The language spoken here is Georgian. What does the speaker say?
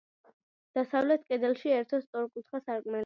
დასავლეთ კედელში ერთო სწორკუთხა სარკმელია.